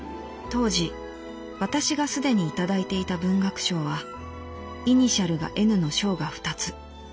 「当時私がすでにいただいていた文学賞はイニシャルがＮの賞が二つ。